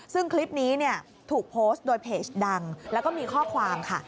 ซึ่งคลิปนี้ถูกโพสต์โดยเพจดังแล้วก็มีข้อความค่ะ